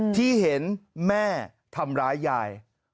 ที่เห็นแม่ทำร้ายยาย